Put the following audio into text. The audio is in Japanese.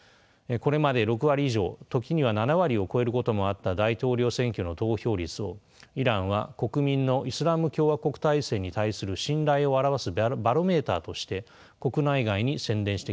これまで６割以上時には７割を超えることもあった大統領選挙の投票率をイランは国民のイスラム共和国体制に対する信頼を表すバロメーターとして国内外に宣伝してきました。